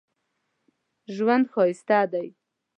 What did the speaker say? ژوند ښایسته دی